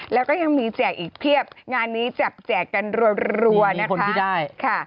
แล้วก็ยังมีแจกอีกเพียบงานนี้จับแจกกันรัวนะคะ